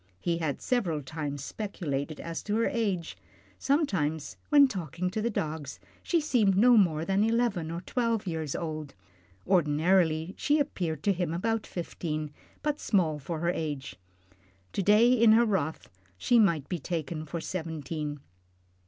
He had several times speculated as to her age. Sometimes when talking to the dogs she seemed no more than eleven or twelve years old. Ordinarily she appeared to him about fifteen, but small for the age. To day in her wrath, she might be taken for seventeen.